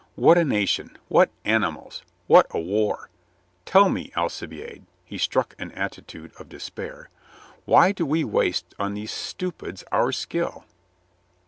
"What a nation ! What animals ! What a war ! Tell me, Alcibiade," — he struck an attitude of despair, — "why do we waste on these stupids our skill?"